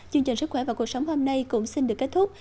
chương trình sức khỏe và cuộc sống hôm nay cũng xin được kết thúc